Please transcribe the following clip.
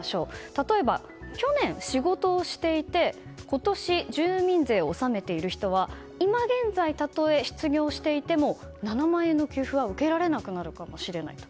例えば去年、仕事をしていて今年、住民税を納めている人は今現在、たとえ失業していても７万円の給付は受けられなくなるかもしれないと。